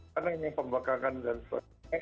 karena ini pembangkangan dan sebagainya